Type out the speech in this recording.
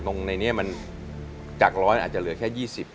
ในนี้มันจากร้อยอาจจะเหลือแค่๒๐